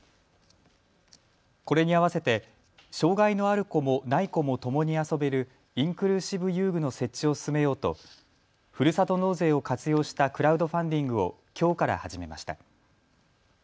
これに合わせて障害のある子もない子もともに遊べるインクルーシブ遊具の設置を進めようとふるさと納税を活用したクラウドファンディングをきょうから始めました。